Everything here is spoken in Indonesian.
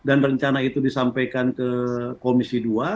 dan rencana itu disampaikan ke komisi dua